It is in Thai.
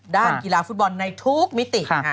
ด้านกีฬาฟุตบอลในทุกมิติ